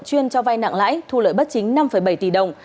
chuyên cho vai nặng lãi thu lợi bắt chính năm bảy tỷ đồng